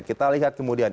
kita lihat kemudian